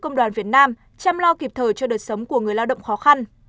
công đoàn việt nam chăm lo kịp thời cho đời sống của người lao động khó khăn